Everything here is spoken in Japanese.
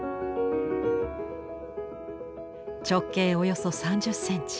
直径およそ３０センチ。